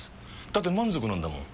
だって満足なんだもん。